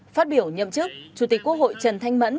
phát biểu nhậm chức chủ tịch quốc hội trần thanh mẫn